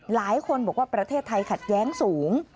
หลายคนบอกว่าประเทศไทยขัดแย้งสูง